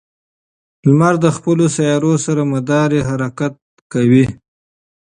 لمر د خپلو سیارو سره مدار حرکت کوي.